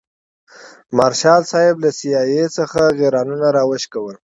مارشال صاحب له سي آی اې څخه غیرانونه راوشکول.